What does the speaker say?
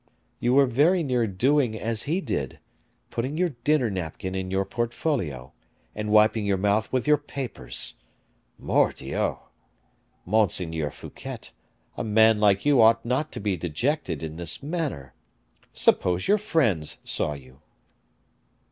You were very near doing as he did, putting your dinner napkin in your portfolio, and wiping your mouth with your papers. Mordioux! Monseigneur Fouquet, a man like you ought not to be dejected in this manner. Suppose your friends saw you?"